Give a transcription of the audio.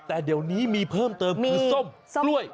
แต่เดี๋ยวนี้มีเพิ่มเติมคือส้มกล้วย